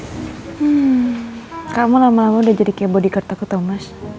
hmm kamu lama lama udah jadi kayak bodyguard aku tau mas